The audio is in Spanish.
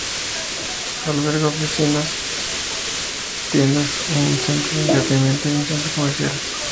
Alberga oficinas, tiendas, un centro de entretenimiento y un centro comercial.